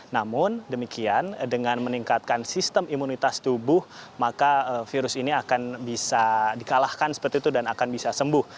namun demikian dengan meningkatkan sistem imunitas tubuh maka virus ini akan bisa dikalahkan seperti itu dan akan bisa sembuh